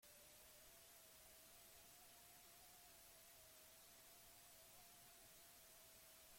Zertan gabiltza, bada, sozialean ez eta nazio eraikuntzan?